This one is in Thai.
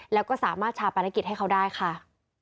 แล้วก็สามารถชาปนกิจให้เขาได้ค่ะ